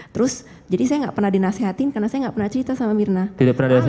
terus jadi saya nggak pernah dinasehatin karena saya nggak pernah cerita sama mirna